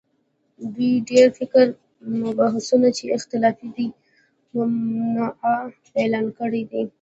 دوی ډېر فکري مبحثونه چې اختلافي دي، ممنوعه اعلان کړي دي